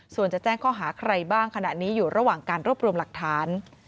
ส่วนจะแจ้งข้อหาใครบ้างขณะนี้อยู่ระหว่างการรวบรวมหลักฐาน